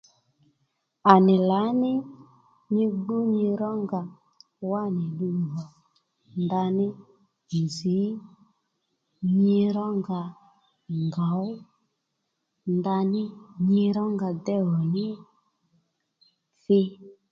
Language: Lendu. À nì lǎní nyi gbú nyi rónga wánì ddu nà ndaní nzǐ nyi rónga ngǒw ndaní nyi rónga déy yò ní thí